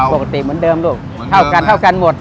ปกติเหมือนเดิมลูกเท่ากันหมด